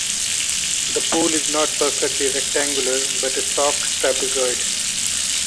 The pool is not perfectly rectangular, but a soft trapezoid.